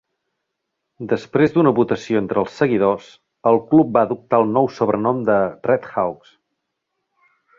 Després d'una votació entre els seguidors, el club va adoptar el nou sobrenom de RedHawks.